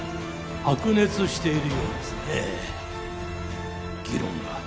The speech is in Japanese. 白熱しているようですねえ議論が。